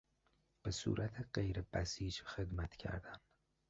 به صورت غیر بسیج خدمت کردن